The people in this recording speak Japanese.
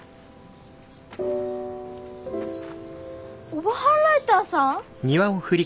オバハンライターさん？